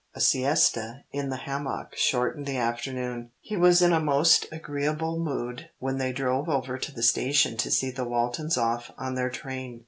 A siesta in the hammock shortened the afternoon. He was in a most agreeable mood when they drove over to the station to see the Waltons off on their train.